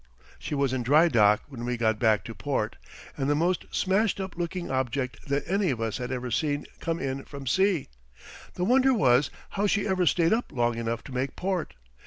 She was in dry dock when we got back to port, and the most smashed up looking object that any of us had ever seen come in from sea. The wonder was how she ever stayed up long enough to make port.